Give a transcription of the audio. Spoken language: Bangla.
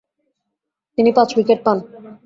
তিনি পাঁচ উইকেট পান।